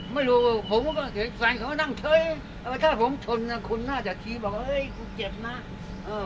ไม่รู้ผมก็ดูแสนคนของถ่างตัวเอ่ยแต่ถ้าผมชนน่ะคุณน่าจะตีบอกเฮ้ย